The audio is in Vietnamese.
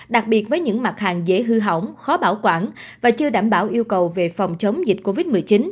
đặc biệt với những mặt hàng dễ hư hỏng khó bảo quản và chưa đảm bảo yêu cầu về phòng chống dịch covid một mươi chín